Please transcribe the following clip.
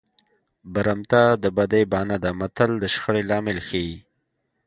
برمته د بدۍ بانه ده متل د شخړې لامل ښيي